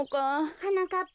はなかっぱ。